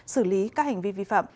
xử lý các hành vi vi phạm